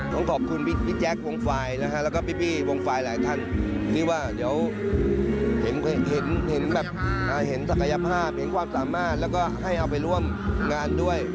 ต้องขอบคุณพี่แจ๊ควงไฟล์นะฮะแล้วก็พี่วงไฟล์หลายท่านที่ว่าเดี๋ยวเห็นแบบเห็นศักยภาพเห็นความสามารถแล้วก็ให้เอาไปร่วมงานด้วย